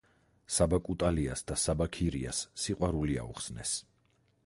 საბა კუტალიას და საბა ქირიას სიყვარული აუხსნეს